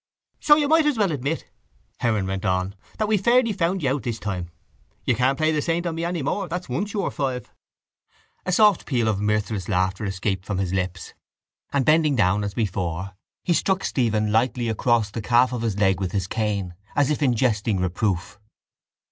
—So you may as well admit, Heron went on, that we've fairly found you out this time. You can't play the saint on me any more, that's one sure five. A soft peal of mirthless laughter escaped from his lips and, bending down as before, he struck Stephen lightly across the calf of the leg with his cane, as if in jesting reproof.